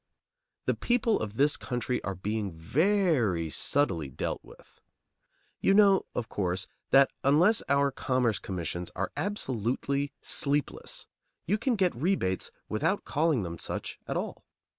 The people of this country are being very subtly dealt with. You know, of course, that, unless our Commerce Commissions are absolutely sleepless, you can get rebates without calling them such at all.